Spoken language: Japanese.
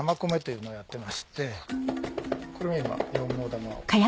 これが今４号玉を。